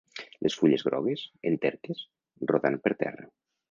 Les fulles grogues, enterques, rodant per terra.